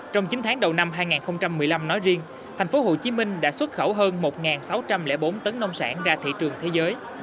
trong chín tháng đầu năm hai nghìn một mươi năm nói riêng thành phố hồ chí minh đã xuất khẩu hơn một sáu trăm linh bốn tấn nông sản ra thị trường thế giới